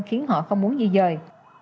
khiến họ không muốn di dời